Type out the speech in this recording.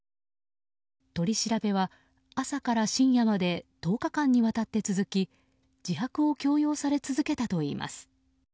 取り調べは、朝から深夜まで１０日間にわたって続き自白を強要され続けたといいます。